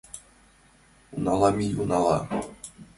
— Унала мий, унала.